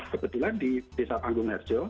kebetulan di desa panggung harjo